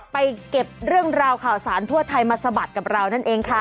ไปเก็บเรื่องราวข่าวสารทั่วไทยมาสะบัดกับเรานั่นเองค่ะ